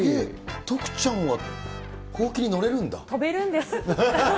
徳ちゃんはほうきに乗れるん飛べるんです。